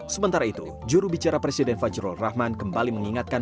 sementara itu jurubicara presiden fajrul rahman kembali mengingatkan